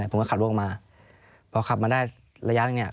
ผมก็ขับรถออกมาพอขับมาได้ระยะหนึ่งเนี่ย